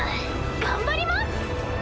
頑張ります。